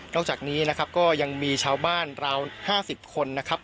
จากนี้นะครับก็ยังมีชาวบ้านราว๕๐คนนะครับ